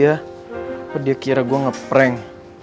apa dia kira gue ngeprank